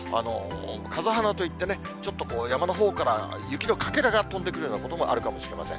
風花と言ってね、ちょっと山のほうから雪のかけらが飛んでくるようなこともあるかもしれません。